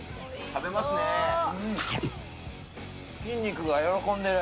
筋肉が喜んでる。